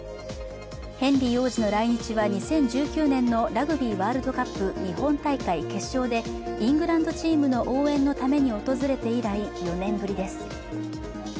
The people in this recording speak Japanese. ヘンリー王子の来日は２０１９年のラグビーワールドカップ日本大会決勝でイングランドチームの応援のために訪れて以来４年ぶりです。